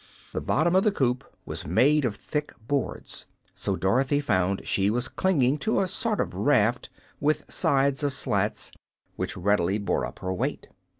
The bottom of the coop was made of thick boards, so Dorothy found she was clinging to a sort of raft, with sides of slats, which readily bore up her weight.